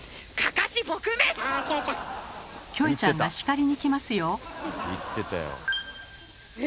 キョエちゃんが叱りにきますよ！